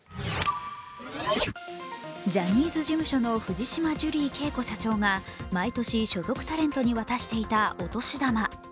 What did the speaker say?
ジャニーズ事務所の藤島ジュリー景子社長が毎年、所属タレントに渡していたお年玉。